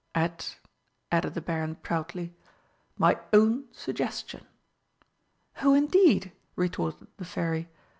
At," added the Baron proudly, "my own suggestion." "Oh, indeed?" retorted the Fairy.